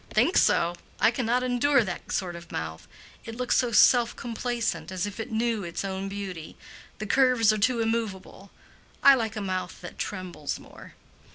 "Think so? I cannot endure that sort of mouth. It looks so self complacent, as if it knew its own beauty—the curves are too immovable. I like a mouth that trembles more."